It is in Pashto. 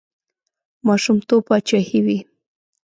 ماشومتوب پاچاهي وي.